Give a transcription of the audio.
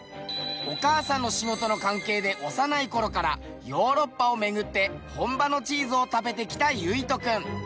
お母さんの仕事の関係で幼い頃からヨーロッパを巡って本場のチーズを食べてきた優惟人君。